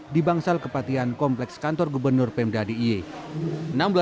di bangsal kepatian kompleks kantor gubernur pemda d i e